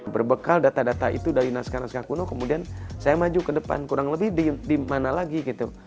berbekal data data itu dari naskah naskah kuno kemudian saya maju ke depan kurang lebih di mana lagi gitu